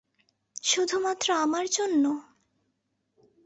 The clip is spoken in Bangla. শুধুমাত্র আমার জন্য।